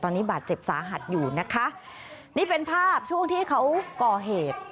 ตอนนี้บาดเจ็บสาหัสอยู่นะคะนี่เป็นภาพช่วงที่เขาก่อเหตุ